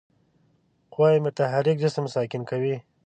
قوه متحرک جسم ساکن کوي.